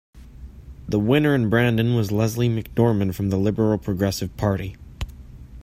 The winner in Brandon was Leslie McDorman from the Liberal-Progressive party.